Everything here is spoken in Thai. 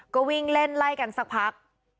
ก็วิ่งเล่นไล่กันสักพัก